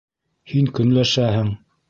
Һин көнләшәһең!